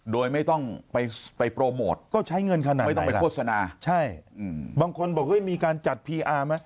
โดยไม่ต้องไปโปรโมทก็ใช้เงินขนาดไหนละใช่บางคนบอกว่ามีการจัดพีอาร์ไหม